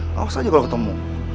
langsung aja gue ketemu